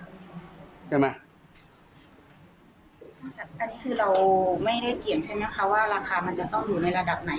อันนี้คือเราไม่ได้เปลี่ยนใช่ไหมคะว่าราคามันจะต้องอยู่ในระดับไหน